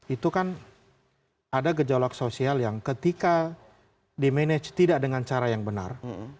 itu kan ada gejolak sosial yang ketika di manage tidak dengan cara yang benar